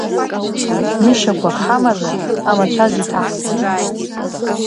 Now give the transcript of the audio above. Нышьақәак ҳамазар, амацәаз иҭаҳкуан.